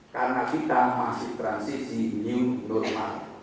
karena kita masih transisi new normal